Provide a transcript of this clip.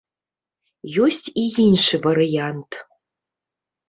Ёсць і іншы варыянт.